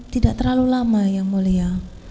tidak terlalu lama yang mulia